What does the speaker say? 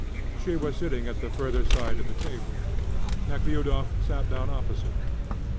She was sitting at the further side of the table. Nekhludoff sat down opposite her.